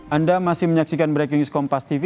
anda masih menyaksikan breaking news kompas tv